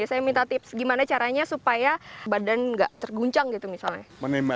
saya minta tips gimana caranya supaya badan nggak terguncang gitu misalnya